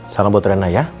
salam buat rena ya